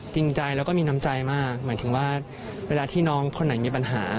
จริงใจแล้วก็มีน้ำใจมากหมายถึงว่าเวลาที่น้องคนไหนมีปัญหา